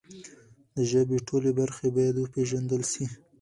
د ژبې ټولې برخې باید وپیژندل سي.